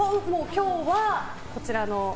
今日はこちらの。